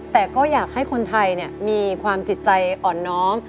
แต่ก็อยากให้คนไทยมีความจิตใจอ่อนน้อม